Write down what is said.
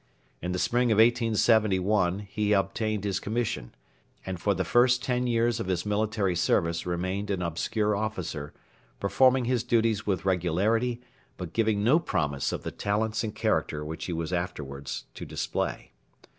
In the spring of 1871 he obtained his commission, and for the first ten years of his military service remained an obscure officer, performing his duties with regularity, but giving no promise of the talents and character which he was afterwards to display.